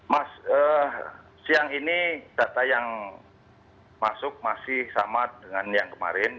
mas siang ini data yang masuk masih sama dengan yang kemarin